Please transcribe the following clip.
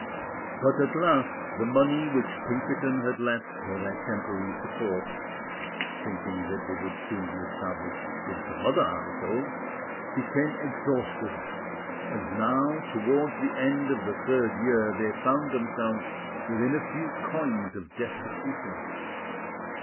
But, at last, the money which Pinkerton had left for their temporary support (thinking that they would soon be established in some other household) became exhausted; and now, towards the end of the third year, they found themselves within a few coins of destitution.